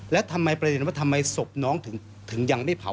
แล้วทำไมประเด็นว่าทำไมศพน้องถึงยังไม่เผา